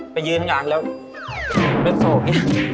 ไปยืนข้างหลังแล้วเดินโศกอย่างนี้